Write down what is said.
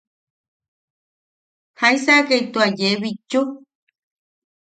¿Jaisakai tua yee bitchu?